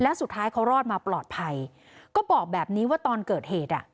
แล้วสุดท้ายเขารอดมาปลอดภัยก็บอกแบบนี้ว่าตอนเกิดเหตุอ่ะ